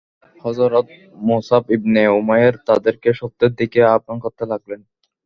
হযরত Musab ibn Umair তাদেরকে সত্যের দিকে আহবান করতে লাগলেন।